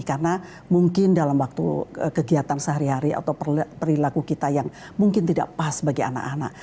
karena mungkin dalam waktu kegiatan sehari hari atau perilaku kita yang mungkin tidak pas bagi anak anak